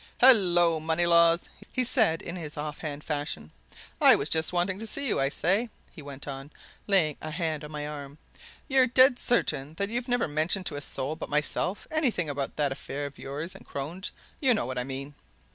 "Hullo, Moneylaws!" he said in his off hand fashion. "I was just wanting to see you. I say!" he went on, laying a hand on my arm, "you're dead certain that you've never mentioned to a soul but myself anything about that affair of yours and Crone's you know what I mean?"